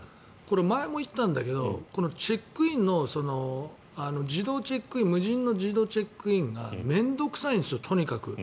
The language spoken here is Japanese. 前も言ったんだけどチェックインの無人の自動チェックインが面倒臭いんです、とにかく。